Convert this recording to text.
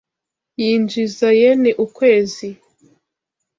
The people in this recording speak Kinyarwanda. Yinjiza yen ukwezi .